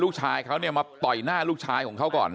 ลูกชายเขาเนี่ยมาต่อยหน้าลูกชายของเขาก่อน